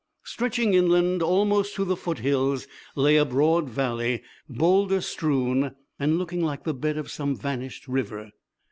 Stretching inland almost to the foothills lay a broad valley, boulder strewn, and looking like the bed of some vanished river.